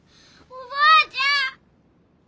おばあちゃん！